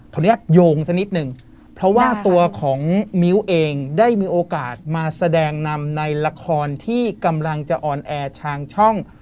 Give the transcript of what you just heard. อนุญาตโยงสักนิดนึงเพราะว่าตัวของมิ้วเองได้มีโอกาสมาแสดงนำในละครที่กำลังจะออนแอร์ชางช่อง